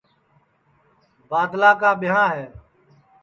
بادلا کا ٻیاں ہے